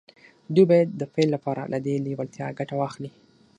دوی باید د پیل لپاره له دې لېوالتیا ګټه واخلي